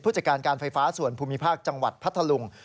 จัดการการไฟฟ้าส่วนภูมิภาคจังหวัดพัทธลุง